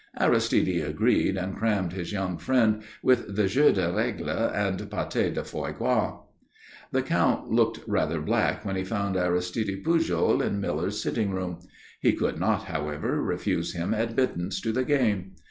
Aristide agreed and crammed his young friend with the jeux de règle and pâté de foie gras. The Count looked rather black when he found Aristide Pujol in Miller's sitting room. He could not, however, refuse him admittance to the game.